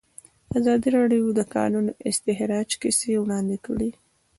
ازادي راډیو د د کانونو استخراج کیسې وړاندې کړي.